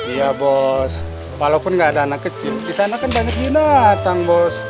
iya bos walaupun gak ada anak kecil di sana kan banyak binatang bos